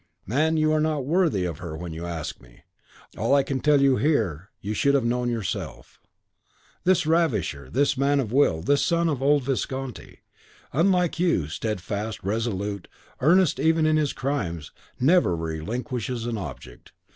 "Man, you are not worthy of her when you ask me. All I can tell you here, you should have known yourself. This ravisher, this man of will, this son of the old Visconti, unlike you, steadfast, resolute, earnest even in his crimes, never relinquishes an object.